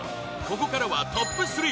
ここからはトップ３！